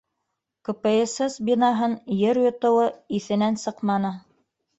«КПСС» бинаһын ер йотоуы иҫенән сыҡманы.